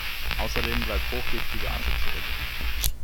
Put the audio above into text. Außerdem bleibt hochgiftige Asche zurück.